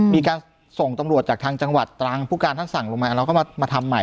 มีการส่งตำรวจจากทางจังหวัดตรังผู้การท่านสั่งลงมาแล้วก็มาทำใหม่